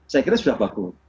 saya kira sudah bagus